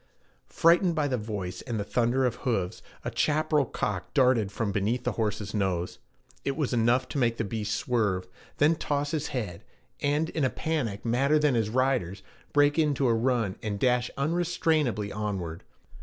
Frightened by the voice and the thunder of hoofs, a chaparral cock darted from beneath the horse's nose. It was enough to make the beast swerve, then toss his head, and in a panic madder than his rider's, break into a run and dash unrestrainably onward.